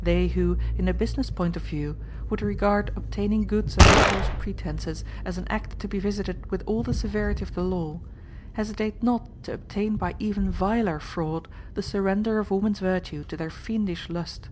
They who, in a business point of view, would regard obtaining goods under false pretenses as an act to be visited with all the severity of the law, hesitate not to obtain by even viler fraud the surrender of woman's virtue to their fiendish lust.